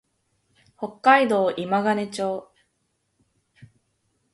北海道今金町